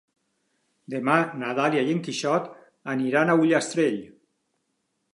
Demà na Dàlia i en Quixot aniran a Ullastrell.